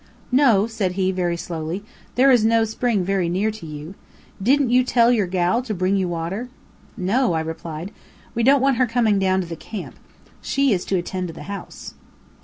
"No," said he, very slowly, "there is no spring very near to you. Didn't you tell your gal to bring you water?" "No," I replied; "we don't want her coming down to the camp. She is to attend to the house."